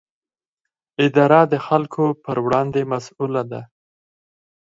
اداره د خلکو پر وړاندې مسووله ده.